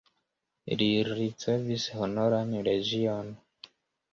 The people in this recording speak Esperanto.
Li ricevis Honoran Legion.